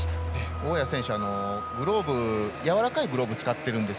大矢選手やわらかいグローブを使っているんです。